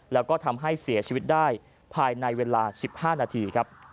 แล้วก็ทำให้เสียชีวิตได้ภายในเวลา๑๕นาทีครับ